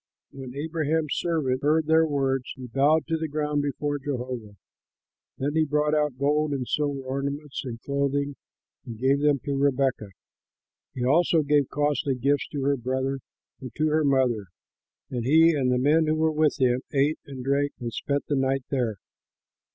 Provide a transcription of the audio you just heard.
When Abraham's servant heard their words, he bowed to the ground before Jehovah. Then he brought out gold and silver ornaments and clothing and gave them to Rebekah. He also gave costly gifts to her brother and to her mother. And he and the men who were with him ate and drank and spent the night there.